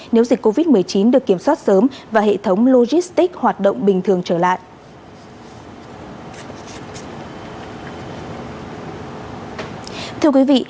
nếu dịch covid một mươi chín được kiểm soát sớm và hệ thống logistic hoạt động bình thường trở lại